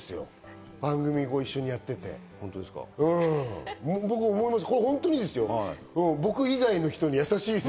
番組を一緒にやっていて、僕、思いますよ